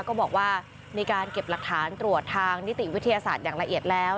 ก็บอกว่ามีการเก็บหลักฐานตรวจทางนิติวิทยาศาสตร์อย่างละเอียดแล้ว